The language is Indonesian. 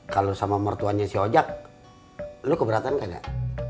kalau sama mertuannya si ojak lu keberatan gak